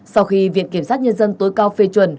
sau khi viện kiểm sát nhân dân tối cao phê chuẩn